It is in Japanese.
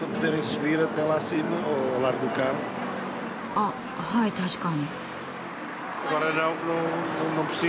あっはい確かに。